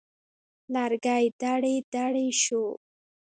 لرګی دړې دړې شو.